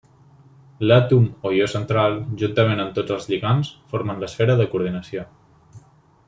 L'àtom o ió central, juntament amb tots els lligands, formen l'esfera de coordinació.